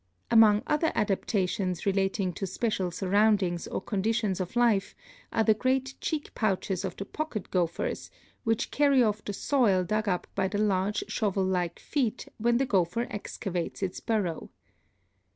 Among other adaptations relating to special surround ings or conditions of life are the great cheek pouches of the pocket gophers, which carry off the soil dug up by the large shovel like feet when the gopher excavates its burrow.